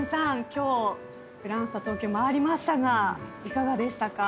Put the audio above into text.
今日グランスタ東京回りましたがいかがでしたか？